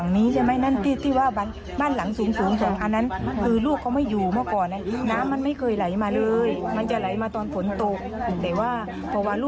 นั้นเนี่ยเขาก็พูดตามก็เลยมีอะไรกัน